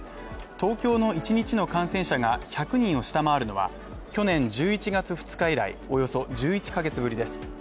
東京の１日の感染者が１００人を下回るのは、去年１１月２日以来およそ１１ヶ月ぶりです。